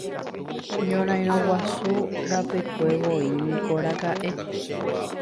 Ñorairõ Guasu rapekuevoi niko raka'e.